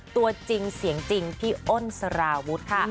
ตัวจริงเสียงจริงพี่อ้นสารวุฒิค่ะ